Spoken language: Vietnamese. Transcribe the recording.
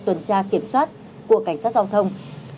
tuần tra kiểm soát của cảnh sát giao thông